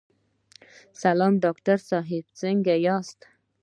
سلام ډاکټر صاحب، څنګه یاست؟